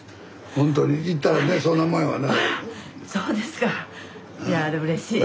ほんとに行ったらねそんなもんやわな。